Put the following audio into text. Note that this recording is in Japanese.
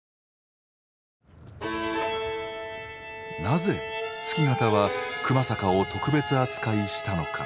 なぜ月形は熊坂を特別扱いしたのか？